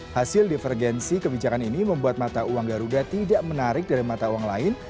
hasil divergensi kebijakan ini membuat mata uang garuda tidak menarik dari mata uang lain